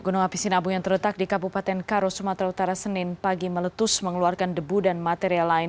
gunung api sinabung yang terletak di kabupaten karo sumatera utara senin pagi meletus mengeluarkan debu dan material lain